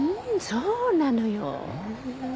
そうなのよ。